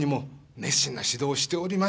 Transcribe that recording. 熱心な指導をしておりました。